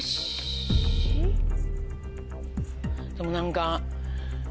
でも何か。